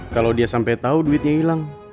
kalau dia sampai tahu duitnya hilang